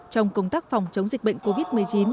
trong công tác phòng chống dịch bệnh covid một mươi chín